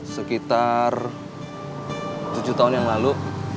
sekitar tujuh tahun yang lalu